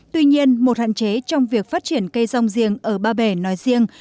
tuy nhiên một hạn chế trong việc phát triển cây rong riêng ở ba bể nói riêng